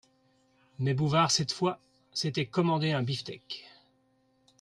Mais Bouvard cette fois, s'était commandé un beefsteak.